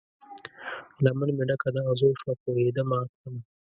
لمن مې ډکه د اغزو شوه، پوهیدمه تلمه